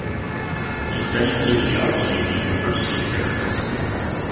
He studied sociology at the University of Paris.